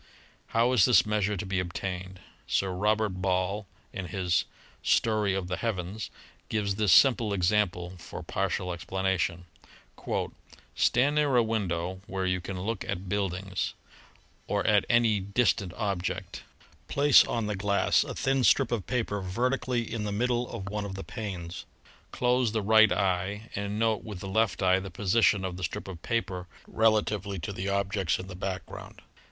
How is this measure to be obtained? Sir Robert Ball in his "Story of the Heavens," gives this simple example for partial explanation: "Stand near a window where you can look at buildings ... or at any distant object. Place on the glass a thin strip of paper vertically in the middle of one of the panes. Close the right eye and note with the left eye the position of the strip of paper rela tively to the objects in the background.